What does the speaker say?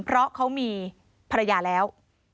เพราะเขามีภรรยาแล้ว